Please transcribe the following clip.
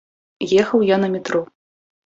Ехаў я на метро.